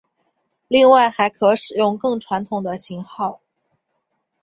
另外还可使用更传统的型号。